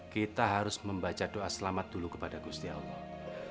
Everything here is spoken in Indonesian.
kita harus membaca doa selamat dulu kepada gusti allah